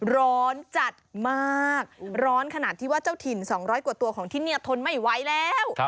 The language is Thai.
ร้อนจัดมากร้อนขนาดที่ว่าเจ้าถิ่น๒๐๐กว่าตัวของที่นี่ทนไม่ไหวแล้ว